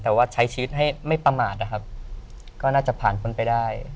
แต่ว่าใช้ชีวิตให้ไม่ประมาทนะครับก็น่าจะผ่านพ้นไปได้